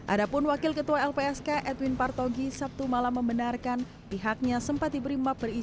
adapun wakil ketua lpsk edwin partogi sabtu malam membenarkan pihaknya sempat diberi map berisi